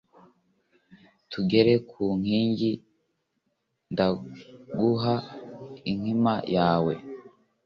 tugere ku nkingi ndaguha inkima yawe